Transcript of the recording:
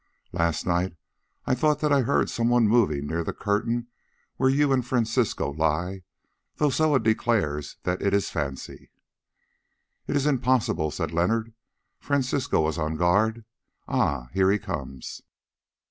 Last night I thought that I heard some one moving near the curtain where you and Francisco lie, though Soa declares that it is fancy." "It is impossible," said Leonard; "Francisco was on guard. Ah! here he comes."